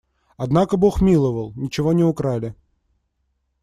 Однако бог миловал – ничего не украли.